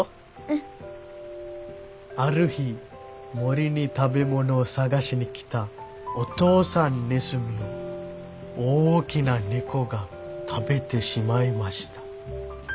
「ある日森に食べ物を探しに来たお父さんネズミを大きな猫が食べてしまいました。